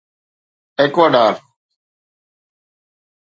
Ecuador